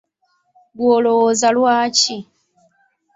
Ggwe olowooza lwaki?